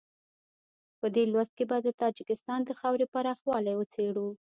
په دې لوست کې به د تاجکستان د خاورې پراخوالی وڅېړو.